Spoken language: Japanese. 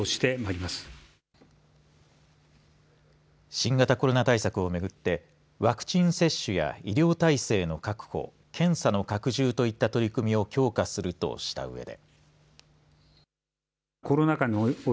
新型コロナ対策をめぐってワクチン接種や医療体制の確保検査の拡充といった取り組みを強化するとしたうえで。